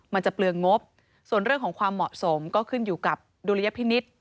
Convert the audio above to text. มันจะเปลืองงบส่วนเรื่องของความเหมาะสมก็ขึ้นอยู่กับดุลยพินิษฐ์